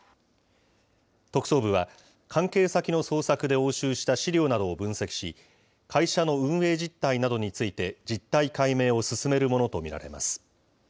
特捜部は、関係先の捜索で押収した資料などを分析し、会社の運営実態などについて、実態解明を進めるものと見られます。